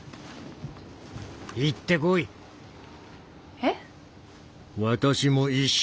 えっ？